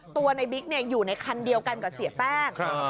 ตัวในบิ๊กอยู่ในคันเดียวกันกับเสียแป้ง